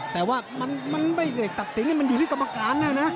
แต่ว่ามันไม่ได้ตัดสินมันอยู่ที่กรรมการแล้วนะ